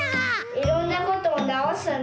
いろんなことをなおすんだ。